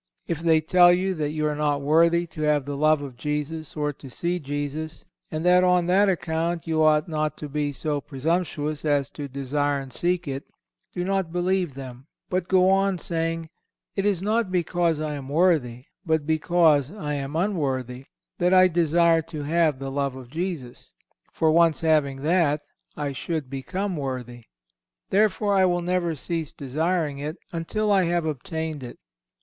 If they tell you that you are not worthy to have the love of Jesus, or to see Jesus, and that on that account you ought not to be so presumptuous as to desire and seek it, do not believe them, but go on, saying, "It is not because I am worthy, but because I am unworthy, that I desire to have the love of Jesus; for, once having that, I should become worthy. Therefore, I will never cease desiring it until I have obtained it.